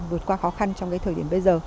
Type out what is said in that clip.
vượt qua khó khăn trong cái thời điểm bây giờ